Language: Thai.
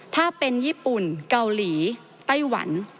ถ้าเป็นญี่ปุ่นเกาหลีไต้หวัน